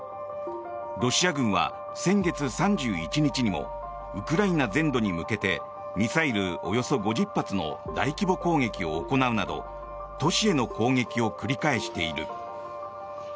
ロシア軍は先月３１日にもウクライナ全土に向けてミサイルおよそ５０発の大規模攻撃を行うなど都市への攻撃を繰り返している。